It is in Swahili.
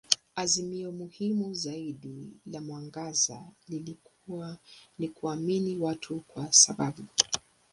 Azimio muhimu zaidi la mwangaza lilikuwa ni kuamini watu kwa sababu.